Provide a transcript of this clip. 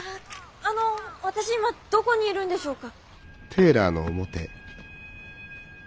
あの私今どこにいるんでしょうか。